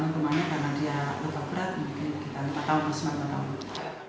mungkin kita tahu bisa mengetahui